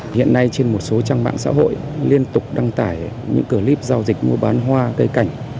hiện nay trên một số trang mạng xã hội liên tục đăng tải những clip giao dịch mua bán hoa cây cảnh